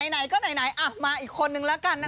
ไหนก็ไหนมาอีกคนนึงแล้วกันนะคะ